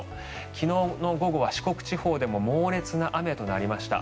昨日の午後は四国地方でも猛烈な雨となりました。